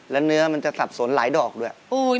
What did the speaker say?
แล้วเนื้อมันจะสับสนหลายดอกด้วย